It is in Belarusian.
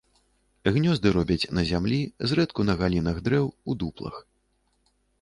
Гнёзды робяць на зямлі, зрэдку на галінах дрэў, у дуплах.